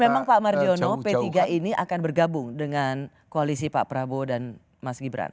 jadi memang pak mardiono p tiga ini akan bergabung dengan koalisi pak prabowo dan mas gibran